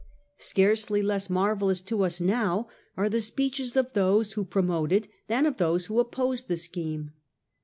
Scarcely less marvellous to us now are the speeches of those who promoted than of those who opposed the scheme.